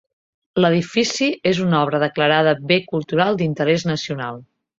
L'edifici és una obra declarada Bé Cultural d'Interès Nacional.